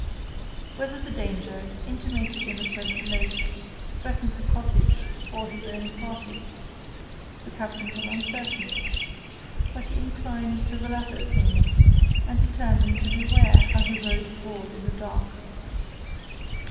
Whether the danger, intimated in the present note, threatened the cottage or his own party, the captain was uncertain; but he inclined to the latter opinion, and determined to beware how he rode abroad in the dark.